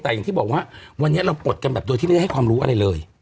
แต่อย่างที่บอกว่าวันนี้เราปลดกันแบบโดยที่ไม่ได้ให้ความรู้อะไรเลย